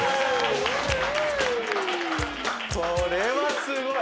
これはすごい。